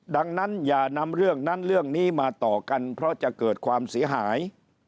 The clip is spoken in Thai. ดังนั้นอย่านำเรื่องนั้นเรื่องนี้มาต่อกันเพราะจะเกิดความเสียหาย